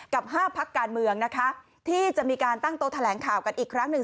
๕พักการเมืองนะคะที่จะมีการตั้งโต๊ะแถลงข่าวกันอีกครั้งหนึ่ง